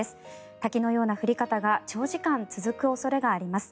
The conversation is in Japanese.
滝のような降り方が長時間続く恐れがあります。